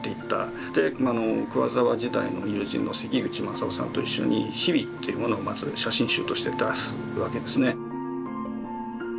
桑沢時代の友人の関口正夫さんと一緒に「日々」というものをまず写真集として出すわけですね。